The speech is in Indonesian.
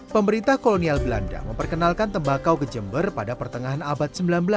pemerintah kolonial belanda memperkenalkan tembakau ke jember pada pertengahan abad sembilan belas